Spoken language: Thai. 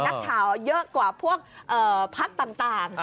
นักข่าวเยอะกว่าพวกพักต่าง